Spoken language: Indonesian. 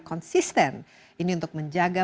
konsisten ini untuk menjaga